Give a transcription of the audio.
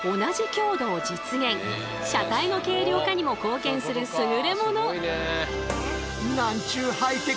車体の軽量化にも貢献する優れ物。